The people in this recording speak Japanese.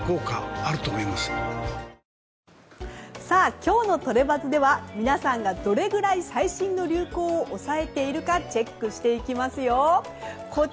今日のトレバズでは皆さんがどれぐらい最新の流行を押さえているかチェックしていきますよ。